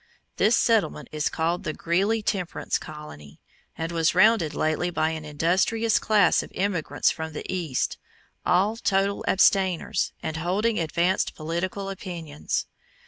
This settlement is called the Greeley Temperance Colony, and was founded lately by an industrious class of emigrants from the East, all total abstainers, and holding advanced political opinions.